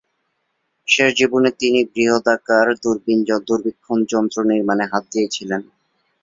শেষ জীবনে তিনি বৃহদাকার দূরবীক্ষণ যন্ত্র নির্মাণে হাত দিয়েছিলেন।